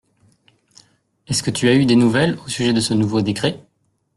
Est-ce que tu as eu des nouvelles au sujet de ce nouveau décret ?